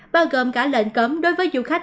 bao gồm cả lệnh cấm đối với du khách